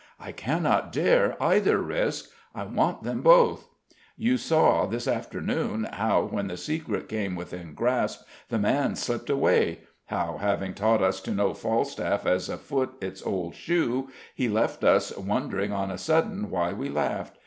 I cannot dare either risk: I want them both. You saw, this afternoon, how, when the secret came within grasp, the man slipped away; how, having taught us to know Falstaff as a foot its old shoe, he left us wondering on a sudden why we laughed!